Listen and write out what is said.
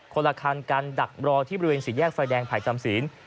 คนละคันการดักรอที่บริเวณสี่แยกไฟแดงไผ่จำศีล